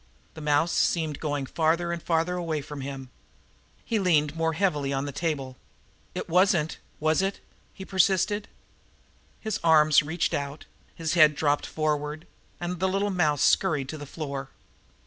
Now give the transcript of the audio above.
The mouse seemed going farther and farther away from him. He leaned more heavily on the table. "It wasn't was it?" he persisted. His arms reached out; his head dropped forward, and the little mouse scurried to the floor.